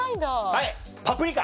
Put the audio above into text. はいパプリカ。